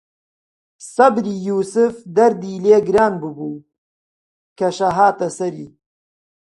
سەبری یووسف دەردی لێ گران ببوو، کەشە هاتە سەری